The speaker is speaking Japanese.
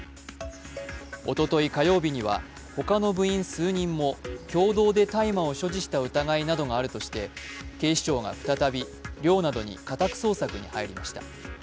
おととい火曜日には他の部員数人も共同で大麻を所持した疑いなどがあるとして警視庁が再び、寮などに家宅捜索に入りました。